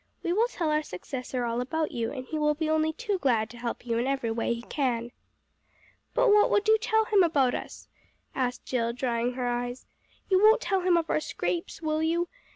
"We will tell our successor all about you, and he will be only too glad to help you in every way he can." "But what will you tell him about us?" asked Jill, drying her eyes. "You won't tell him of our scrapes, will you?